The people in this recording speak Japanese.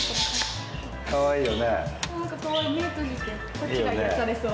こっちが癒やされそう。